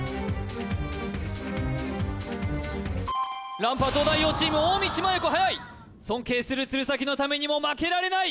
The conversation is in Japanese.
ランプは東大王チーム大道麻優子はやい尊敬する鶴崎のためにも負けられない！